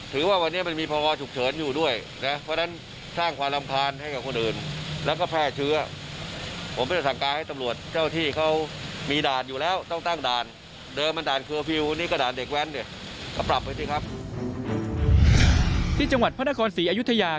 ที่จังหวัดพระนครศรีอยุธยา